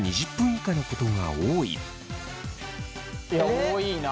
多いな。